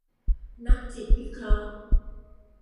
นักจิตวิเคราะห์